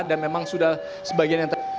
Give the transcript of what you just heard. dan memang sudah sebagian yang ter